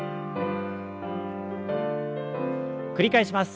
繰り返します。